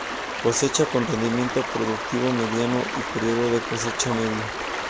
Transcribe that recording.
Cosecha con rendimiento productivo mediano, y periodo de cosecha medio.